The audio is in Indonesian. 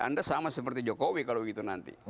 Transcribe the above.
anda sama seperti jokowi kalau begitu nanti